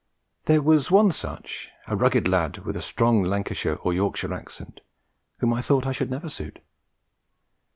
There was one such, a rugged lad with a strong Lancashire or Yorkshire accent, whom I thought I should never suit.